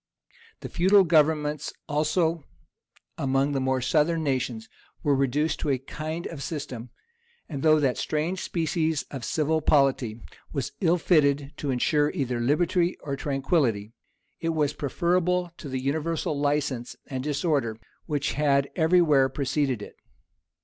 The feudal governments also, among the more southern nations, were reduced to a kind of system; and though that strange species of civil polity was ill fitted to insure either liberty or tranquillity, it was preferable to the universal license and disorder which had every where preceded it.